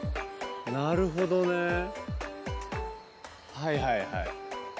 はいはいはい。